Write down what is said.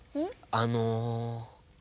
あの。